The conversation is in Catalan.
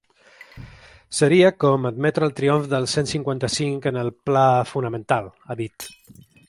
Seria com admetre el triomf del cent cinquanta-cinc en el pla fonamental, ha dit.